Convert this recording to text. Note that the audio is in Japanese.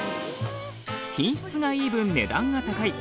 品質がいい分値段が高い。